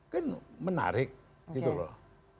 kan menarik gitu loh